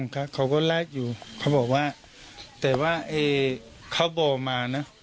เขาก็แลกอยู่เขาบอกว่าแต่ว่าเขาบอกมานะ